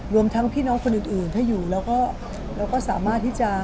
รวมทั้งพี่น้องคนอื่นถ้าอยู่เราก็สามารถที่จะ